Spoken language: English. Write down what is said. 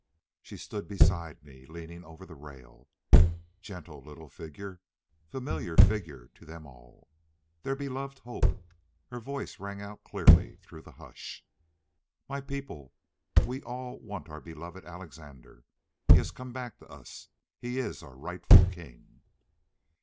She stood beside me, leaning over the rail. Gentle little figure. Familiar figure to them all. Their beloved Hope. Her voice rang out clearly through the hush. "My people, we all want our beloved Alexandre he has come back to us. He is our rightful king."